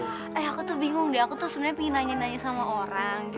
eh aku tuh bingung deh aku tuh sebenarnya pengen nanya nanya sama orang